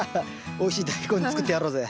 おいしいダイコン作ってやろうぜ。